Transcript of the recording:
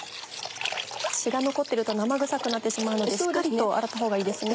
血が残っていると生臭くなってしまうのでしっかりと洗ったほうがいいですね。